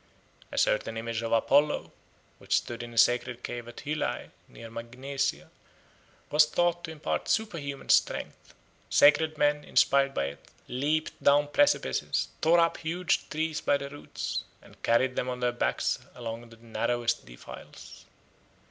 A certain image of Apollo, which stood in a sacred cave at Hylae near Magnesia, was thought to impart superhuman strength. Sacred men, inspired by it, leaped down precipices, tore up huge trees by the roots, and carried them on their backs along the narrowest defiles.